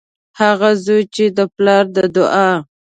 هغه زوی چې د پلار د دعا